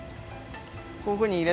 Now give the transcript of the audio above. こういうふうにええ！